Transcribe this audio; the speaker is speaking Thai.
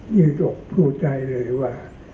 ยืดอกพูดได้เลยว่า